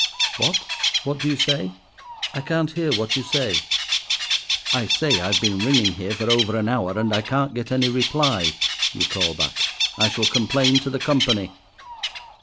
"What—what do you say? I can't hear what you say." "I say I've been ringing here for over an hour, and I can't get any reply," you call back. "I shall complain to the Company."